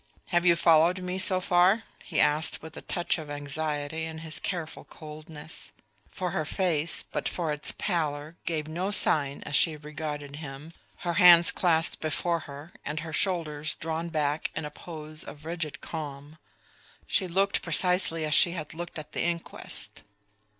Have you followed me so far?" he asked with a touch of anxiety in his careful coldness; for her face, but for its pallor, gave no sign as she regarded him, her hands clasped before her and her shoulders drawn back in a pose of rigid calm. She looked precisely as she had looked at the inquest.